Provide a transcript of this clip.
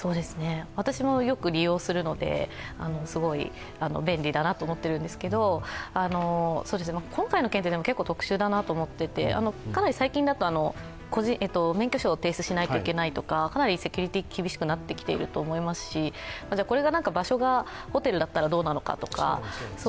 私もよく利用するのですごく便利だなと思いますけど今回の件は特殊だと思ってて、最近だと免許証を提出しないといけないとか、かなりセキュリティーが厳しくなってきていると思いますしこれが場所がホテルだったらどうなのかとか。